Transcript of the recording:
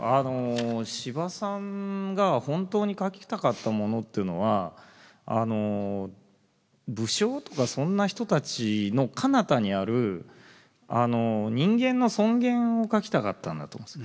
司馬さんが本当に書きたかったものっていうのは武将とかそんな人たちのかなたにある人間の尊厳を書きたかったんだと思うんです。